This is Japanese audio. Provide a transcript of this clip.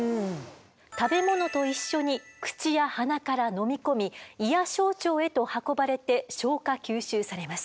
食べ物と一緒に口や鼻から飲み込み胃や小腸へと運ばれて消化吸収されます。